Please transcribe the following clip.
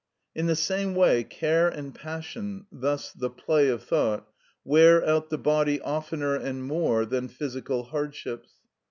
In the same way care and passion (thus the play of thought) wear out the body oftener and more than physical hardships.